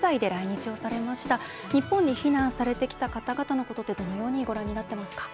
日本に避難されてきた方々のことってどのようにご覧になってますか？